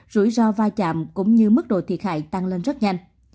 rủi ro vai trạm cũng như mức độ thiệt hại tăng lên rất nhanh